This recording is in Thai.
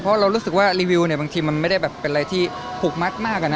เพราะเรารู้สึกว่ารีวิวเนี่ยบางทีมันไม่ได้แบบเป็นอะไรที่ผูกมัดมากอะนะ